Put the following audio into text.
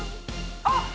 あっ。